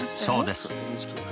そうです。